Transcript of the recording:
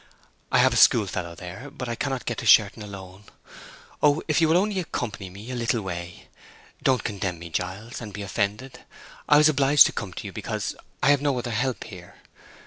I have a school fellow there—but I cannot get to Sherton alone. Oh, if you will only accompany me a little way! Don't condemn me, Giles, and be offended! I was obliged to come to you because—I have no other help here.